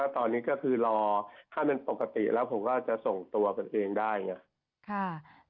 ตอนนี้ก็คือรอถ้าเป็นปกติแล้วผมก็จะส่งตัวกันเองได้ไง